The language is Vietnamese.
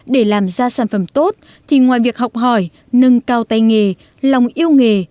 để làm ra sản phẩm tốt thì ngoài việc học hỏi nâng cao tay nghề lòng yêu nghề